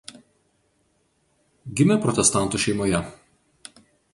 Gimė protestantų šeimoje.